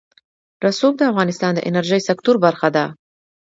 رسوب د افغانستان د انرژۍ سکتور برخه ده.